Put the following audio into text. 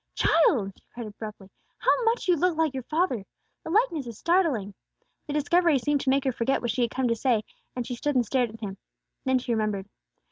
Child!" she cried abruptly, "how much you look like your father! The likeness is startling!" The discovery seemed to make her forget what she had come to say, and she stood and stared at him; then she remembered.